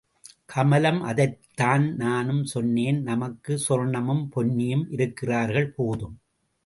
கமலம் அதைத்தான் நானும் சொன்னேன், நமக்கு சொர்ணமும் பொன்னியும் இருக்கிறார்கள், போதும்.